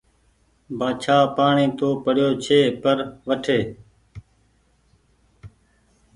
بآڇآ پآڻيٚ تو پڙيو ڇي پر وٺي